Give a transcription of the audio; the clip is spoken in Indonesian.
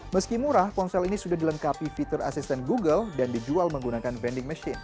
meski murah ponsel ini sudah dilengkapi fitur asisten google dan dijual menggunakan vending machine